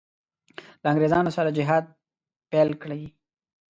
له انګرېزانو سره جهاد پیل کړي.